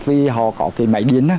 vì họ có thì may điên